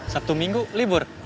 sabtu minggu libur